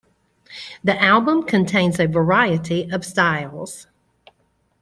The album contains a variety of styles.